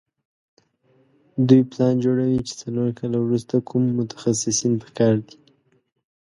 دوی پلان جوړوي چې څلور کاله وروسته کوم متخصصین په کار دي.